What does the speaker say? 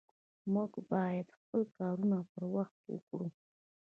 مونږ بايد خپل کارونه پر وخت وکړو